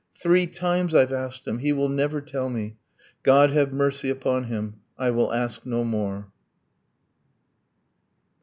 'Three times I've asked him! He will never tell me. God have mercy upon him. I will ask no more.'